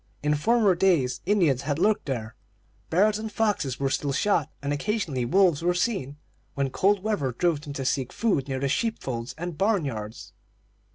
In former days Indians had lurked there; bears and foxes were still shot, and occasionally wolves were seen, when cold weather drove them to seek food near the sheep folds and barn yards.